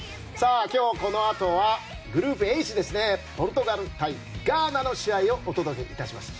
今日このあとはグループＨポルトガル対ガーナの試合をお届けします。